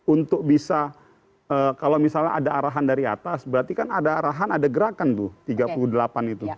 untuk bisa kalau misalnya ada arahan dari atas berarti kan ada arahan ada gerakan tuh tiga puluh delapan itu